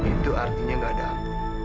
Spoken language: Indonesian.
itu artinya gak ada ampun